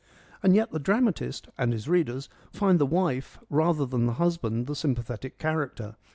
And yet the dramatist, and his readers, find the wife rather than the husband the sympathetic character.